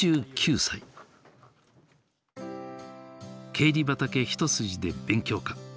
経理畑一筋で勉強家。